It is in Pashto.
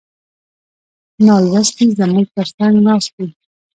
نالوستي زموږ تر څنګ ناست دي.